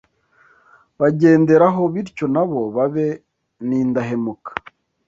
bagenderaho, bityo na bo babe n’indahemuka